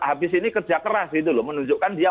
habis ini kerja keras gitu loh menunjukkan dia